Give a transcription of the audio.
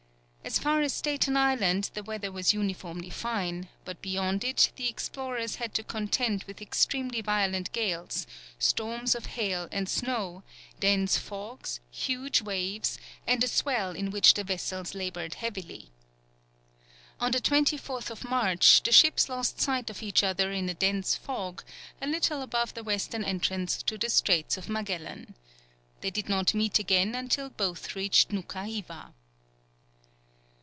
As far as Staten Island the weather was uniformly fine, but beyond it the explorers had to contend with extremely violent gales, storms of hail and snow, dense fogs, huge waves, and a swell in which the vessels laboured heavily. On the 24th March, the ships lost sight of each other in a dense fog a little above the western entrance to the Straits of Magellan. They did not meet again until both reached Noukha Hiva.